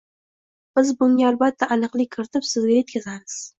Biz bunga albatta aniqlik kiritib sizga yetkazamiz.